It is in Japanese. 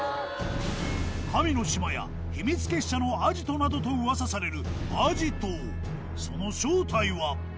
神の島や秘密結社のアジトなどと噂されるアーヂ島。